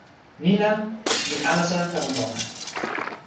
ni la, mi alasa tawa noka.